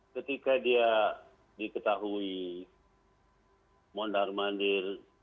ketika dia diketahui mondar mandir